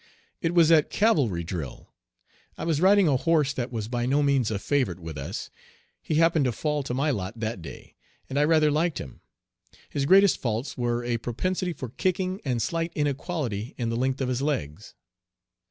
It was at cavalry drill. I was riding a horse that was by no means a favorite with us. He happened to fall to my lot that day, and I rather liked him. His greatest faults were a propensity for kicking and slight inequality in the length of his legs.